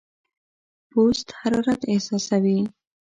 پوست حرارت احساسوي.